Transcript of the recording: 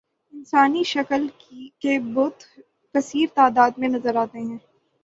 انسانی شکل کے بت کثیر تعداد میں نظر آتے ہیں